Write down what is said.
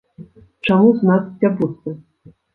Чаму з нас сцябуцца.